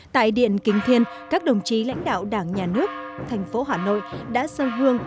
tại điện kính thiên các đồng chí lãnh đạo đảng nhà nước thành phố hà nội đã dâng hương